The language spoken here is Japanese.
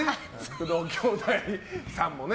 工藤兄弟さんもね。